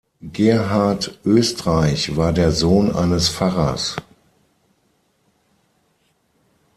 Gerhard Oestreich war der Sohn eines Pfarrers.